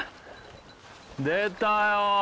出たよ